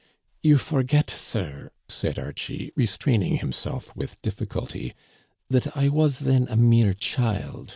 "You forget, sir," said Archie, restraining himself with difficulty, *' that I was then a mere child.